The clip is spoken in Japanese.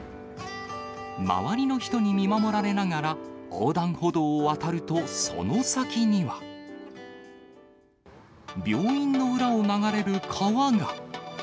周りの人に見守られながら、横断歩道を渡るとその先には。病院の裏を流れる川が。